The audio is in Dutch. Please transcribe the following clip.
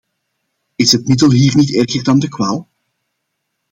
Is het middel hier niet erger dan de kwaal?